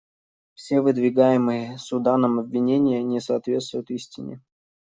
Все выдвигаемые Суданом обвинения не соответствуют истине.